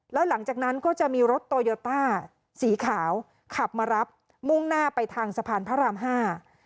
แล้วหลังจากนั้นก็จะมีรถโตโยต้าสีขาวขับมารับมุ่งหน้าไปทางสะพานพระรามห้า